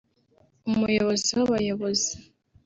umuyobozi w’abayobozi